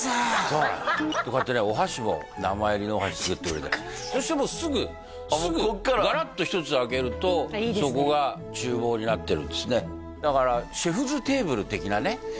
そうなのこうやってねお箸も名前入りのお箸作ってくれてそしてもうすぐすぐガラッと１つ開けるとそこが厨房になってるんですねだからシェフズテーブル的なね